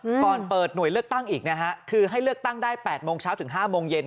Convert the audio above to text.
ก่อนเปิดหน่วยเลือกตั้งอีกนะฮะคือให้เลือกตั้งได้แปดโมงเช้าถึงห้าโมงเย็น